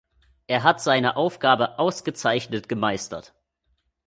Er hat seine Aufgabe ausgezeichnet gemeistert.